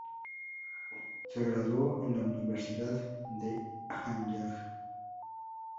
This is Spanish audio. Se graduó de la Universidad de Hanyang.